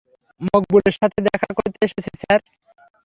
মকবুলের সাথে দেখা করতে এসেছি, স্যার।